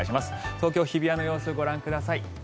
東京・日比谷の様子ご覧ください。